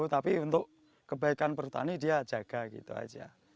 tapi untuk kebaikan perhutani dia jaga gitu aja